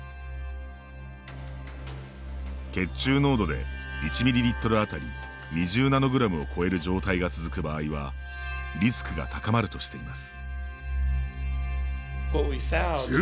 血中濃度で１ミリリットルあたり２０ナノグラムを超える状態が続く場合はリスクが高まるとしています。